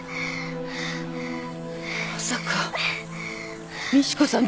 まさか美知子さん